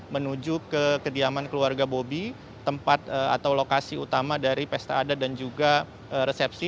menuju ke kediaman keluarga bobi tempat atau lokasi utama dari pesta adat dan juga resepsi